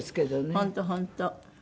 本当本当。